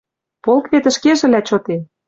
Полк вет ӹшкежӹлӓ чоте.